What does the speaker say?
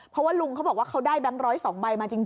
เพราะว่าลุงเขาบอกว่าเขาได้แบงค์๑๐๒ใบมาจริง